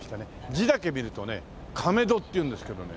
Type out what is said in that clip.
字だけ見るとね「かめど」っていうんですけどね